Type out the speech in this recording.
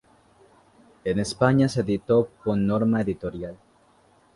En españa se editó pon Norma editorial.